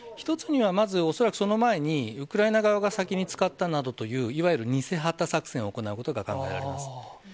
１つにはまず、恐らくその前に、ウクライナ側が先に使ったなどという、いわゆる偽旗作戦を行うことが考えられます。